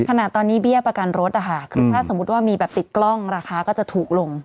ขณะนี้เบี้ยประกันรถนะคะคือถ้าสมมุติว่ามีแบบติดกล้องราคาก็จะถูกลง